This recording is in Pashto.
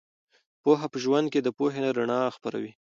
پوهه په ژوند کې د پوهې رڼا خپروي.